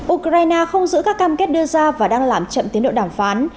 ukraine không giữ các cam kết đưa ra và đang làm chậm tiến độ đàm phán